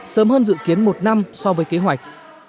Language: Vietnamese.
sớm hơn dự kiến một năm so với kế hoạch